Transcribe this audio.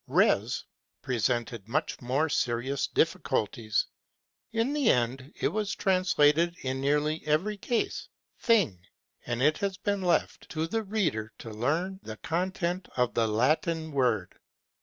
Res presented much more serious difficulties. In the end, it was translated, in nearly вҷҰevery case, thing, and it has been left to the reader to learn the вҷҰ^content of the Latin word.